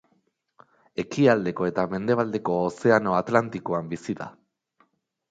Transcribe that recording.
Ekialdeko eta mendebaldeko Ozeano Atlantikoan bizi da.